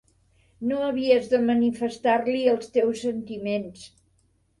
No havies de manifestar-li els teus sentiments.